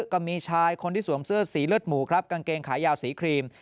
ก็มีชายคนที่สวมเสื้อสีเลือดหมูครับกางเกงขายาวสีครีม